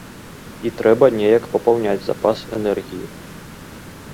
І трэба неяк папаўняць запас энергіі.